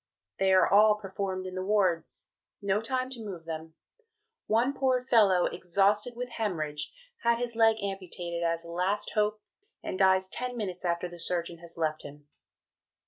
They are all performed in the wards no time to move them; one poor fellow exhausted with hæmorrhage, has his leg amputated as a last hope, and dies ten minutes after the Surgeon has left him.